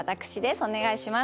お願いします。